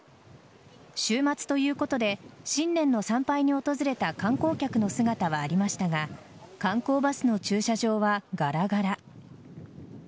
週末ということで新年の参拝に訪れた観光客の姿はありましたが観光バスの駐車場はガラガラ。